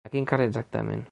A quin carrer exactament?